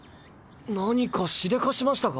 何かしでかしましたか？